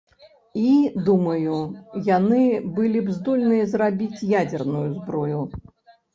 І, думаю, яны былі б здольныя зрабіць ядзерную зброю.